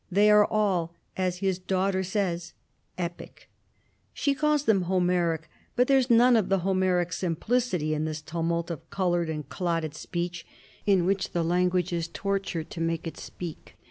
They are all, as his daughter says, epic; she calls them Homeric, but there is none of the Homeric simplicity in this tumult of coloured and clotted speech, in which the language is tortured to make it speak.